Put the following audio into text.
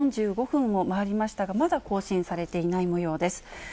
時刻は現在、４５分を回りましたが、まだ更新されていないもようです。